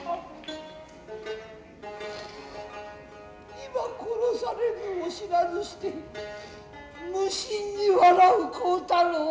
今殺されるも知らずして無心に笑う幸太郎。